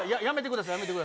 やめてください